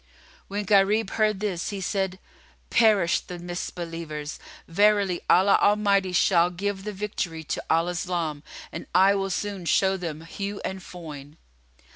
When Gharib heard this, he said, "Perish the Misbelievers! Verily, Allah Almighty shall give the victory to Al Islam and I will soon show them hew and foin."